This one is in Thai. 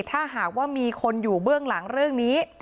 ถ้าหากว่ามีคนอยู่เบื้องหลังเรื่องนี้